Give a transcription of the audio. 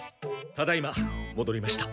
ただいまもどりました。